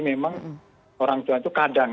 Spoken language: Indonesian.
memang orang tua itu kadang